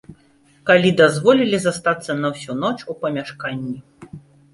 Калі дазволілі застацца на ўсю ноч у памяшканні.